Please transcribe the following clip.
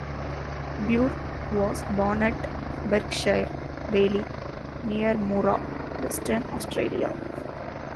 Burke was born at Berkshire Valley, near Moora, Western Australia.